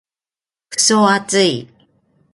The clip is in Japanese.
クソ暑い。